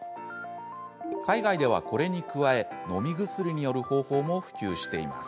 海外では、これに加えのみ薬による方法も普及しています。